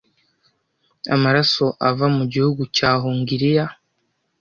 Amaraso ava mu gihugu cya Hongiriya